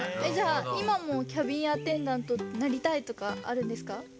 じゃあいまもキャビンアテンダントなりたいとかあるんですか？